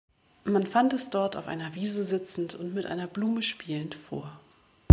Man fand es dort auf einer Wiese sitzend und mit einer Blume spielend vor.